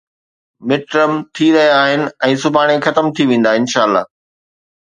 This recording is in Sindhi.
مڊٽرم ٿي رهيا آهن ۽ سڀاڻي ختم ٿي ويندا، انشاء الله